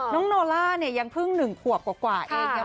โนล่าเนี่ยยังเพิ่ง๑ขวบกว่าเอง